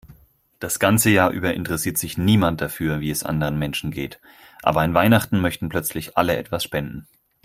Das ganze Jahr über interessiert sich niemand dafür, wie es anderen Menschen geht, aber an Weihnachten möchten plötzlich alle etwas spenden.